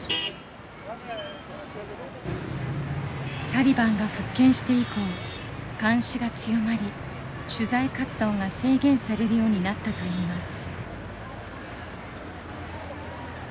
タリバンが復権して以降監視が強まり取材活動が制限されるようになったといいます。